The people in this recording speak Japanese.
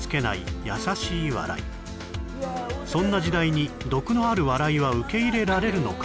そんな時代に毒のある笑いは受け入れられるのか？